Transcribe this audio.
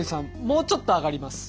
もうちょっと上がります。